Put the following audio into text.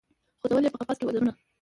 خو ځول یې په قفس کي وزرونه